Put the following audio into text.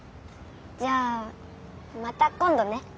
じゃあまた今度ね。